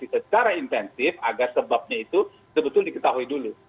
secara intensif agar sebabnya itu sebetulnya diketahui dulu